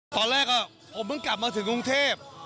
ตอนแรกผมเพิ่งกลับมาถึงกรุงเทพ